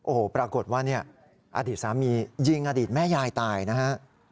โอ้โหปรากฏว่าเนี่ยอดีตสามียิงอดีตแม่ยายตายนะฮะ